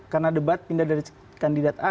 karena debat pindah dari kandidat a